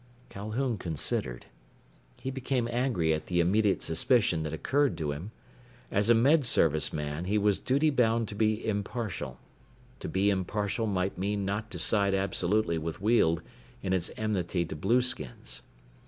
Calhoun considered. He became angry at the immediate suspicion that occurred to him. As a Med Service man, he was duty bound to be impartial. To be impartial might mean not to side absolutely with Weald in its enmity to blueskins.